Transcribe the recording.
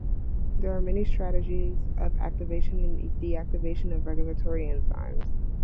There are many strategies of activation and deactivation of regulatory enzymes.